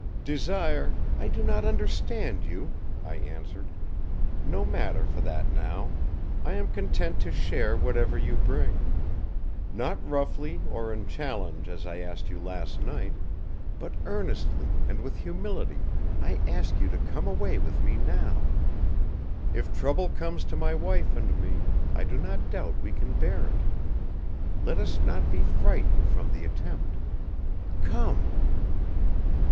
"Desire, I do not understand you," I answered. "No matter for that, now! I am content to share whatever you bring. Not roughly or in challenge as I asked you last night, but earnestly and with humility I ask you to come away with me now. If trouble comes to my wife and me, I do not doubt we can bear it. Let us not be frightened from the attempt. Come."